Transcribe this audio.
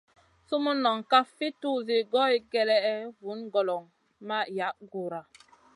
Sumun noŋ kaf fi tuzi goy kélèʼèh, vun goloŋ ma yaʼ Guhra.